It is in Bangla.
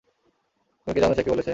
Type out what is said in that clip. তুমি কি জানো সে কি বলেছে?